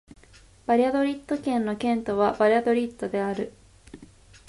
バリャドリッド県の県都はバリャドリッドである